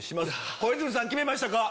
小泉さん決めましたか？